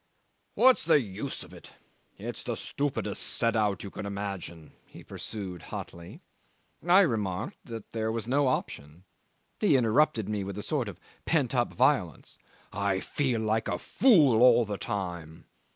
"What's the use of it? It is the stupidest set out you can imagine," he pursued hotly. I remarked that there was no option. He interrupted me with a sort of pent up violence. "I feel like a fool all the time."